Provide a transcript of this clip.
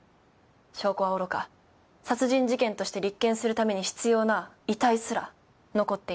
証拠はおろか殺人事件として立件するために必要な遺体すら残っていない。